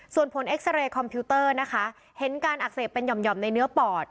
ส่วนผลเอ็กซาเรย์คอมพิวเตอร์นะคะเห็นการอักเสบเป็นหย่อมในเนื้อปอด